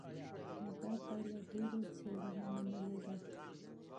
دا پایله ډېرو څېړنو تایید کړه.